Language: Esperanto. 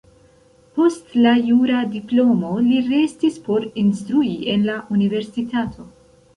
Post la jura diplomo li restis por instrui en la universitato.